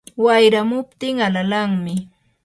wayramuptin alalanmi.